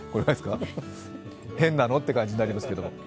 変なのっていう感じになりますけれども。